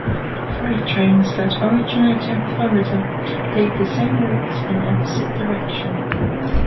Freight trains that originate in Florida take the same routes in opposite direction.